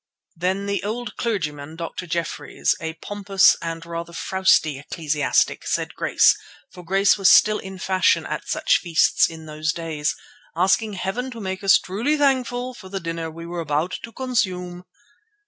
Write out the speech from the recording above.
Then the old clergyman, Dr. Jeffreys, a pompous and rather frowsy ecclesiastic, said grace, for grace was still in fashion at such feasts in those days, asking Heaven to make us truly thankful for the dinner we were about to consume.